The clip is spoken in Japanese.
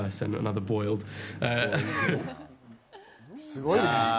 すごいね。